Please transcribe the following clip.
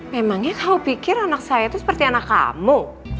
memangnya kau pikir anak saya itu seperti anak kamu